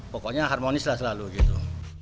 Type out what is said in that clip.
pokoknya harmonis lah selalu gitu